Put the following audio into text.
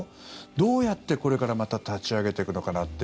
どうやって、これからまた立ち上げていくのかなって。